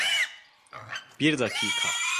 Bir dakika...